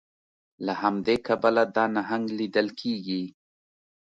له همدې کبله دا نهنګ لیدل کیږي